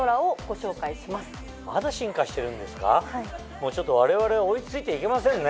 もうちょっと我々は追い付いていけませんね。